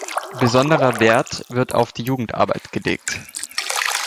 Besonderer Wert wird auf die Jugendarbeit gelegt.